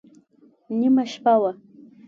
نیمه شپه وه.